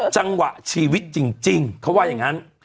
จังหวะชีวิตจริงเขาว่าอย่างนั้น